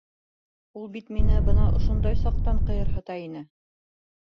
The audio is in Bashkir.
Ул бит мине бына ошондай саҡтан ҡыйырһыта ине.